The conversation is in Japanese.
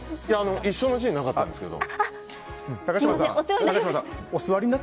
一緒のシーンはなかったんですけど。